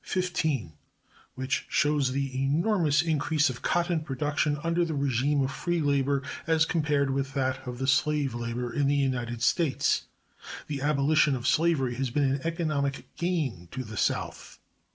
XV, which shows the enormous increase of cotton production under the régime of free labor as compared with that of slave labor in the United States. The abolition of slavery has been an economic gain to the South.